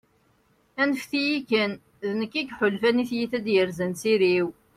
anfet-iyi kan, d nekk i yeḥulfan, i tyita i d-yerzan s iri-w